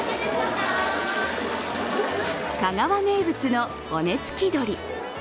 香川名物の骨付鳥。